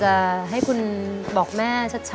เป๊ะอยากให้คุณบอกแม่ชัดคะ